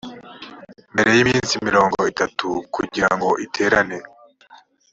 mbere y iminsi mirongo itatu kugira ngo iterane